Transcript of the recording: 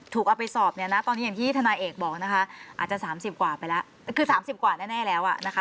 เอาไปสอบเนี่ยนะตอนนี้อย่างที่ทนายเอกบอกนะคะอาจจะ๓๐กว่าไปแล้วคือ๓๐กว่าแน่แล้วอ่ะนะคะ